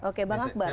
oke bang akbar